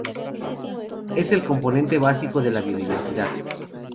Es el componente básico de la biodiversidad.